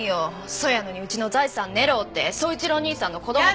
そやのにうちの財産狙うて宗一郎兄さんの子供として。